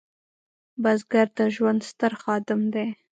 بزګر د ژوند ستر خادم دی